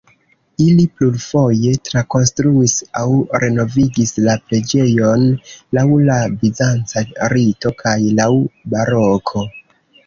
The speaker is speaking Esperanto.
Ili plurfoje trakonstruis aŭ renovigis la preĝejon laŭ la bizanca rito kaj laŭ baroko.